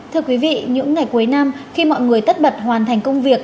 thưa quý vị những ngày cuối năm khi mọi người tất bật hoàn thành công việc